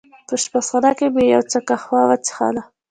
په اشپزخانه کې مې یو څه قهوه وڅېښل.